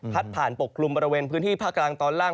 ผ่านปกกลุ่มบริเวณพื้นที่ภาคกลางตอนล่าง